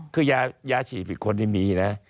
คือยาฉีดผิดคนที่มีนะ